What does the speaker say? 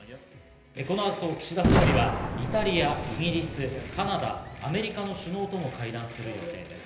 この後、岸田総理はイタリア、イギリス、カナダ、アメリカの首脳とも会談する予定です。